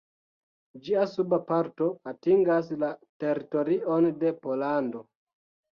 Ĝia suba parto atingas la teritorion de Pollando.